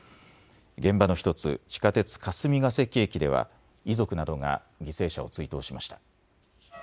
現場の１つ、地下鉄霞ケ関駅では遺族などが犠牲者を追悼しました。